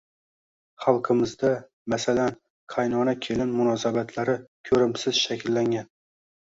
Xalqimizda, masalan, qaynona-kelin munosabatlari ko‘rimsiz shakllangan